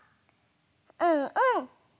うんうん。